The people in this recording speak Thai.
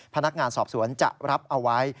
พนักงานสอบสวนจะรับเอาไว้